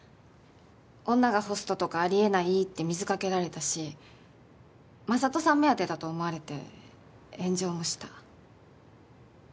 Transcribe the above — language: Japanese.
女がホストとかありえないって水かけられたしＭａｓａｔｏさん目当てだと思われて炎上もした。